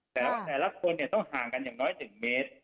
แต่ว่าแต่ละคนต้องห่างกันอย่างน้อย๑เมตร